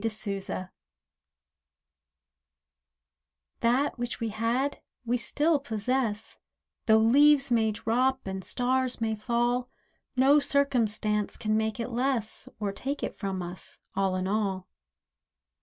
POSSESSION That which we had we still possess, Though leaves may drop and stars may fall; No circumstance can make it less, Or take it from us, all in all.